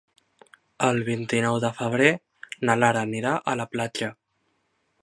El vint-i-nou de febrer na Lara anirà a la platja.